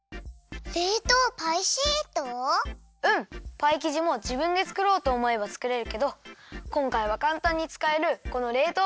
パイきじもじぶんでつくろうとおもえばつくれるけどこんかいはかんたんにつかえるこのれいとう